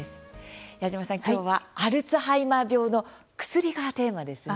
矢島さん、今日はアルツハイマー病の薬がテーマですね。